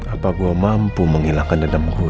apa gua mampu menghilangkan dendam gue